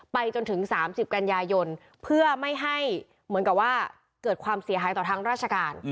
ไปจนถึง๓๐กันยายนเพื่อไม่ให้เหมือนกับว่าเกิดความเสียหายต่อทางราชการ